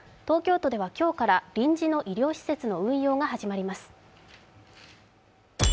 東京都では今日から臨時の医療施設の運用が始まります。